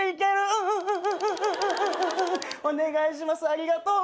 ありがとう。